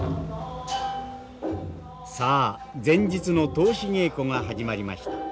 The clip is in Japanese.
さあ前日の通し稽古が始まりました。